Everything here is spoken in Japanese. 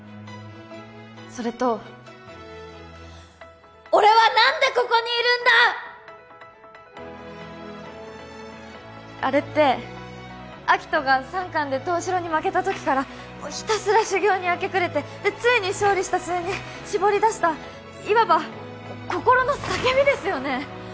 それと「オレは何でここにいるんだ！」あれってアキトが３巻でトウシロウに負けたときからひたすら修行に明け暮れてでついに勝利した末にしぼりだしたいわば心の叫びですよね